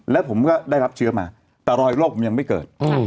แล้วผมก็ได้รับเชื้อมาแต่รอยโรคผมยังไม่เกิด